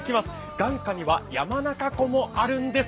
眼下には山中湖もあるんです。